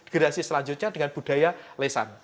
gerasi selanjutnya dengan budaya lesan